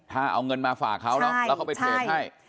ถ้าเอาเงินมาฝากเขาแล้วเขาไปเทรนดให้